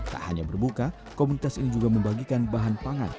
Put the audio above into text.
tak hanya berbuka komunitas ini juga membagikan bahan pangan